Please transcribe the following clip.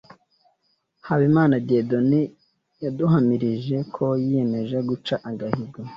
Habimana Dieudonne yaduhamirije ko yiyemeje guca agahigo